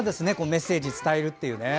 メッセージを伝えるという。